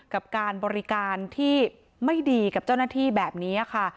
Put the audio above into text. กับการบริการที่ไม่ดีกับเจ้าหน้าที่แบบนี้ค่ะ